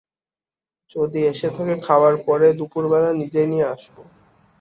যদি এসে থাকে, খাওয়ার পরে দুপুরবেলা নিজেই নিয়ে আসব।